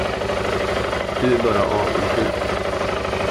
Du är bara avundsjuk.